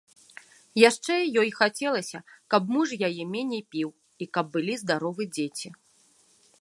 Яшчэ ёй хацелася, каб муж яе меней піў і каб былі здаровы дзеці.